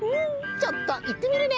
ちょっといってみるね！